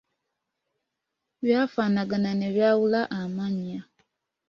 Byafaanagana ne byawula amannya.